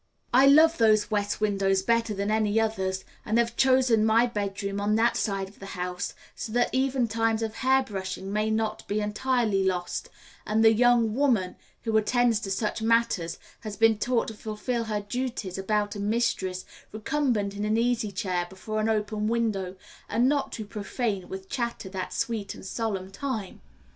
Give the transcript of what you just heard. I love those west windows better than any others, and have chosen my bedroom on that side of the house so that even times of hair brushing may not be entirely lost, and the young woman who attends to such matters has been taught to fulfil her duties about a mistress recumbent in an easychair before an open window, and not to profane with chatter that sweet and solemn time.